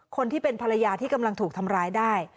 คนที่เป็นภรรยาที่กำลังถูกทำร้ายได้